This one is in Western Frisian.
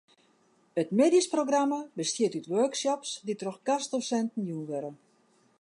It middeisprogramma bestiet út workshops dy't troch gastdosinten jûn wurde.